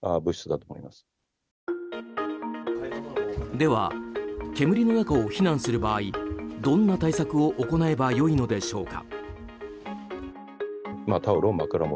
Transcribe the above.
では、煙の中を避難する場合どんな対策を行えば良いのでしょうか？